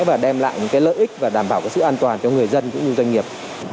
và đem lại lợi ích và đảm bảo sự an toàn cho người dân cũng như doanh nghiệp